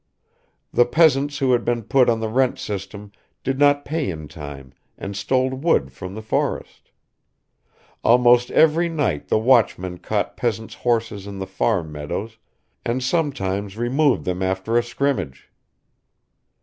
The peasants who had been put on the rent system did not pay in time and stole wood from the forest; almost every night the watchmen caught peasants' horses in the farm meadows and sometimes removed them after a scrimmage.